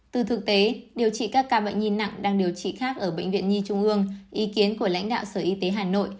từ thực tế điều trị các ca bệnh nhi nặng đang điều trị khác ở bệnh viện nhi trung ương ý kiến của lãnh đạo sở y tế hà nội